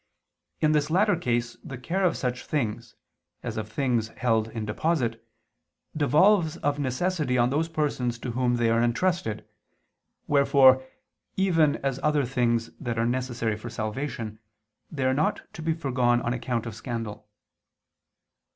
In this latter case the care of such things (as of things held in deposit) devolves of necessity on those persons to whom they are entrusted, wherefore, even as other things that are necessary for salvation, they are not to be foregone on account of scandal.